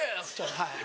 はい。